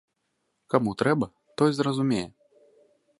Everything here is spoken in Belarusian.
Каму трэба, той зразумее.